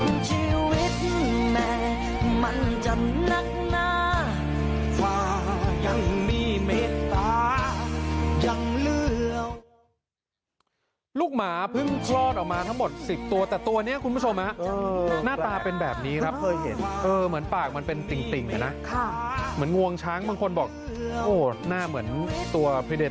นักหน้าฝ่ายังมีเม็ดตายังเลือว